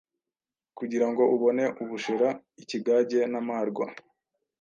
Kugira ngo ubone ubushera, ikigage n’amarwa,